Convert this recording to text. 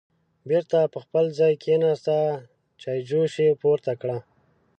بېرته په خپل ځای کېناسته، چایجوش یې پورته کړه